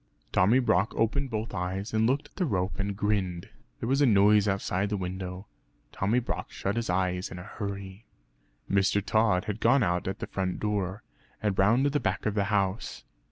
Tommy Brock opened both eyes, and looked at the rope and grinned. There was a noise outside the window. Tommy Brock shut his eyes in a hurry. Mr. Tod had gone out at the front door, and round to the back of the house.